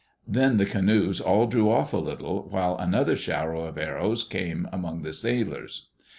Then the canoes all drew off a little, while another shower of arrows came among the sailors.